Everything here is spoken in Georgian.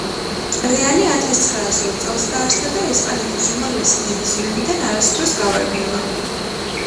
რეალი ათას ცხრაას ორ წელს დაარსდა და ესპანეთის უმაღლესი დივიზიონიდან არასდროს გავარდნილა.